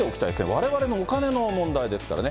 われわれのお金の問題ですからね。